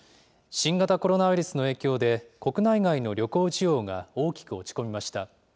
新型コロナウイルスの影響で、国内外の旅行需要が大きく落ち込みました。